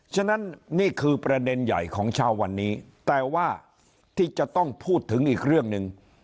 ฉะนั้นนี่คือประเด็นใหญ่ของเช้าวันนี้แต่ว่าที่จะต้องพูดถึงอีกเรื่องหนึ่ง